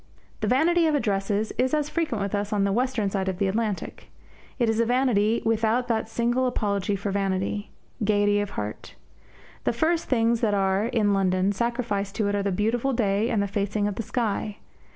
The vanity of addresses is as frequent with us as on the western side of the Atlantic. It is a vanity without that single apology for vanity gaiety of heart. The first things that are, in London, sacrificed to it are the beautiful day and the facing of the sky.